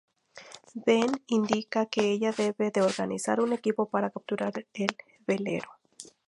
Ben indica que ella debe de organizar un equipo para capturar el velero.